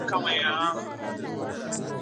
غلامي د انسان ازادي په بشپړه توګه له منځه وړي.